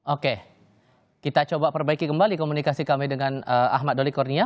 oke kita coba perbaiki kembali komunikasi kami dengan ahmad doli kurnia